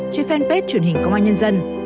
trên fanpage truyền hình công an nhân dân